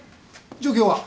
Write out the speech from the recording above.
状況は？